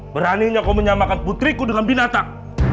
beraninya kau menyamakan putriku dalam binatang